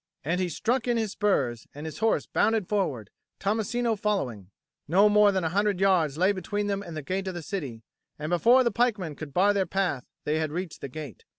and he struck in his spurs, and his horse bounded forward, Tommasino following. No more than a hundred yards lay between them and the gate of the city, and before the pikemen could bar their path they had reached the gate.